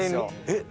えっ！